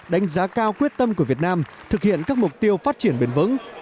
đánh giá cao quyết tâm của việt nam thực hiện các mục tiêu phát triển bền vững